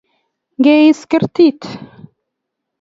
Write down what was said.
ng'es kertit